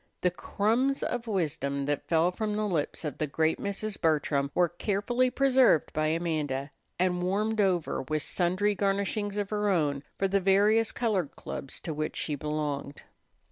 The crumbs of wisdom that fell from the lips of the great Mrs. Bertram were carefully preserved by Amanda, and warmed over, with sundry garnishings of her own, for the various colored clubs to which she belonged.